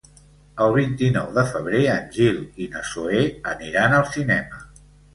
El vint-i-nou de febrer en Gil i na Zoè aniran al cinema.